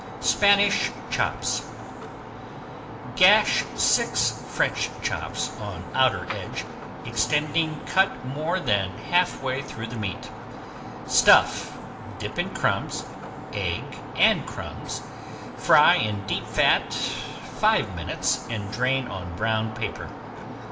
~SPANISH CHOPS~ Gash six French chops on outer edge, extending cut more than half way through lean meat. Stuff, dip in crumbs, egg and crumbs, fry in deep fat five minutes and drain on brown paper.